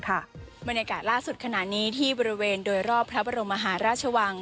มันเนื้อกาลล่าสุดขนาดนี้ที่บริเวณโดยรอบพระบรมหาราชวัง